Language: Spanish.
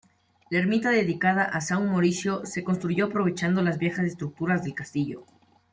La ermita dedicada a San Mauricio se construyó aprovechando las viejas estructuras del castillo.